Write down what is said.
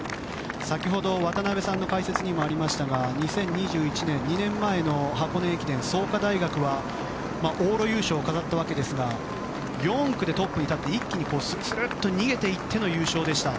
先ほど、渡辺さんの解説にもありましたが２０２１年２年前の箱根駅伝、創価大学は往路優勝を飾ったわけですが４区でトップに立って一気にするするっと逃げて行っての優勝でした。